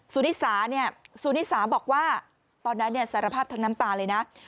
สูณศาบอกว่าตอนนั้นสารภาพทางน้ำตาลเลยนะ